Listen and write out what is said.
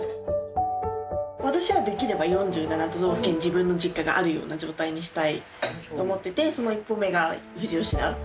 私はできれば４７都道府県自分の実家があるような状態にしたいと思っててその一歩目が富士吉田。